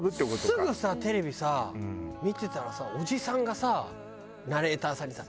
すぐさテレビさ見てたらさおじさんがさナレーターさんにさ。